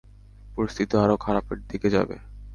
পরিস্থিতি আরও খারাপের দিকে যাবে।